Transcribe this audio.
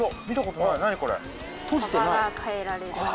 幅が変えられる。